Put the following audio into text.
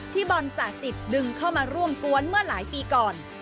บอลศาสิตดึงเข้ามาร่วมกวนเมื่อหลายปีก่อน